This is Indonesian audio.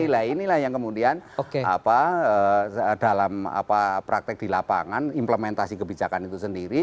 nah inilah yang kemudian dalam praktek di lapangan implementasi kebijakan itu sendiri